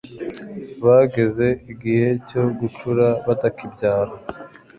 bageze igihe cyo gucura batakibyara